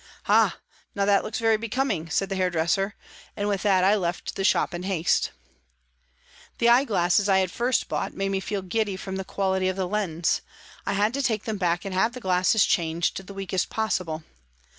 " Ah ! now that looks very becoming," said the hairdresser, and with that I left the shop in haste. The eye glasses I had first bought made me feel giddy from the quality of the lens. I had to take them back and have the glasses changed to the weakest possible.